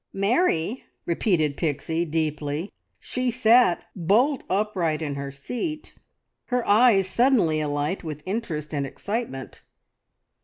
"Marry!" repeated Pixie deeply. She sat bolt upright in her seat, her eyes suddenly alight with interest and excitement.